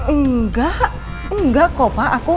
enggak enggak kok pa aku